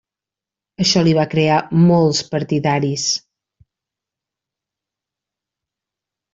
Això li va crear molts partidaris.